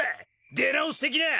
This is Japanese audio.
出直してきな！